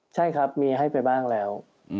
ใช่ครับมีให้ไปบ้างแล้ว